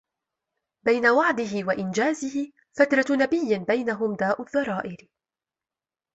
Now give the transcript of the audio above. بين وعده وإنجازه فترة نبي بينهم داء الضرائر ت